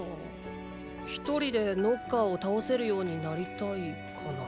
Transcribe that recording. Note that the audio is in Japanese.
ひとりでノッカーを倒せるようになりたいかな。